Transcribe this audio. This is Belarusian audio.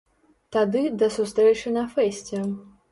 Тады да сустрэчы на фэсце!